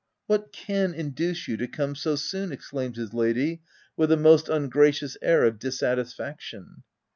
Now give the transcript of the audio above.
C( What can induce you to come so soon ?" exclaimed his lady, with a most ungracious air of dissatisfaction.